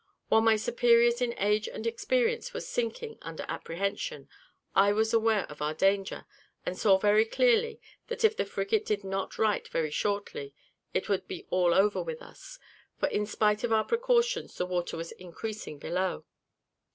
While my superiors in age and experience were sinking under apprehension, I was aware of our danger; and saw very clearly, that if the frigate did not right very shortly, it would be all over with us; for in spite of our precautions, the water was increasing below.